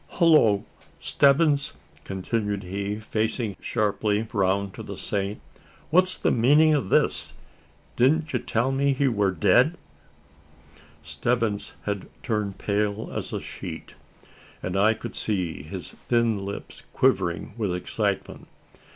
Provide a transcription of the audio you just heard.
Hullo, Stebbins!" continued he, facing sharply round to the Saint; "what's the meanin' o' this? Didn't you tell me that he wur dead?" Stebbins had turned pale as a sheet; and I could see his thin lips quivering with excitement.